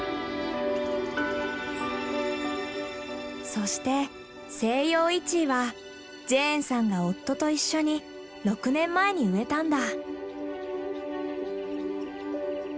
そしてセイヨウイチイはジェーンさんが夫と一緒に６年前に植えたんだ。